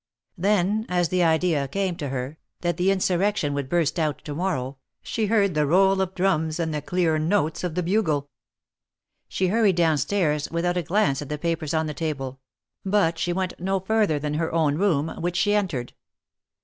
Then, as the idea came to her, that the insurrection would burst out to morrow, she heard the roll of drums and the clear notes of the bugle. She hurried down stairs, without a glance at the papers on the table ; but she went no further than her own room, which she entered.